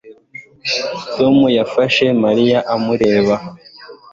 Tom yafashe Mariya amureba